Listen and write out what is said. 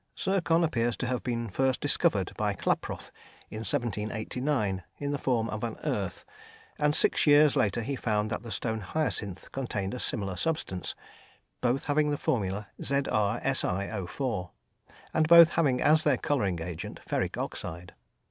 _ Zircon appears to have been first discovered by Klaproth in 1789, in the form of an earth, and six years later he found that the stone hyacinth contained a similar substance, both having the formula, ZrSiO_, and both having as their colouring agent ferric oxide.